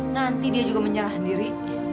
nanti dia juga menyerah sendiri